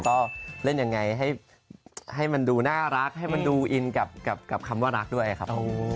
ก็เล่นยังไงให้มันดูน่ารักให้มันดูอินกับคำว่ารักด้วยครับ